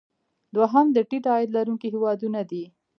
دوهم د ټیټ عاید لرونکي هیوادونه دي.